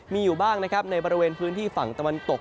มีอยู่บ้างนะครับในบริเวณพื้นที่ฝั่งตะวันตก